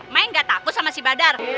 main gak takut sama si badar